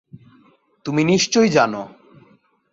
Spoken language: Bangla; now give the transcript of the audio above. তুমি নিশ্চয়ই জানো।